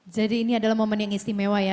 jadi ini adalah momen yang istimewa